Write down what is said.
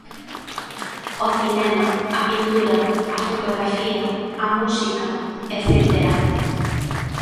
O cinema, a pintura, a fotografía, a música etcétera.